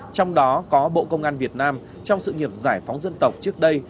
trong đó có bộ công an việt nam trong sự nghiệp giải phóng dân tộc trước đây